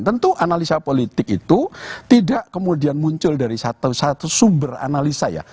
tentu analisa politik itu tidak kemudian muncul dari satu sumber analisa ya